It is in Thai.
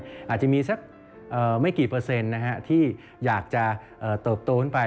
อาจจะมีสักไม่กี่เปอร์เซ็นต์ที่อยากจะเติบโตขึ้นไป